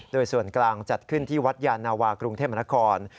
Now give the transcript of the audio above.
โดยส่วนกลางจัดขึ้นที่วัดยานาวากรุงเทพนคร